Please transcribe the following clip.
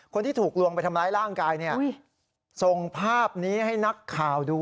คนที่ถูกลวงไปทำร้ายร่างกายเนี่ยส่งภาพนี้ให้นักข่าวดู